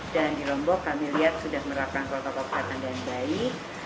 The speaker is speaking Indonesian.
dan di lombok kami lihat sudah menerapkan protokol kesehatan yang baik